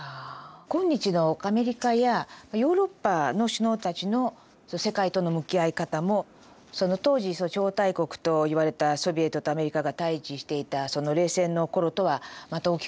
今日のアメリカやヨーロッパの首脳たちの世界との向き合い方もその当時超大国といわれたソビエトとアメリカが対峙していたその冷戦の頃とはまた大きく違うんではないでしょうか？